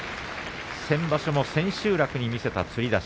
先場所も、千秋楽に見せたつり出し。